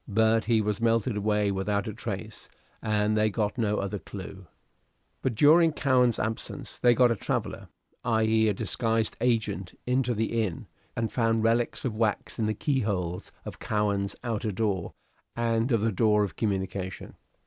But he had melted away without a trace, and they got no other clew. But during Cowen's absence they got a traveller, i.e., a disguised agent, into the inn, who found relics of wax in the key holes of Cowen's outer door and of the door of communication.